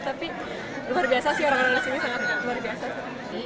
tapi luar biasa sih orang orang disini sangat luar biasa sih